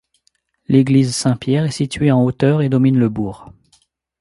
L'église Saint-Pierre est située en hauteur et domine le bourg.